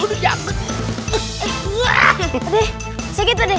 pade sakit pade